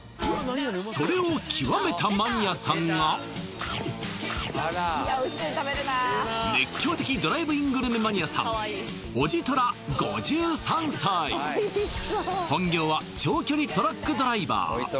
それを極めたマニアさんが熱狂的ドライブイングルメマニアさんおじとら５３歳本業は長距離トラックドライバー